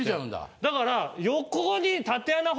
だから。